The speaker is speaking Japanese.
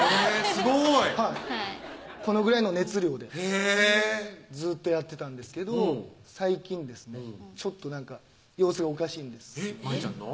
すごいはいこのぐらいの熱量でずっとやってたんですけど最近ですねちょっとなんか様子がおかしいんです舞ちゃんの？